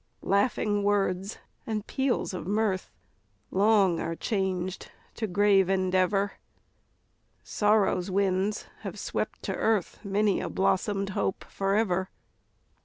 "Laughing words and peals of mirth, Long are changed to grave endeavor; Sorrow's winds have swept to earth Many a blossomed hope forever.